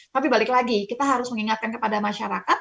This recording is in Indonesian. tapi balik lagi kita harus mengingatkan kepada masyarakat